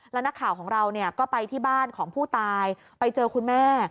แล้วนักข่าวของเราก็ไปที่บ้านของผู้ตายไปเจอคุณแม่